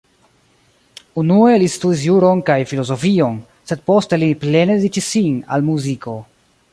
Unue li studis juron kaj filozofion, sed poste li plene dediĉis sin al muziko.